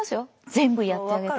全部やってあげたい。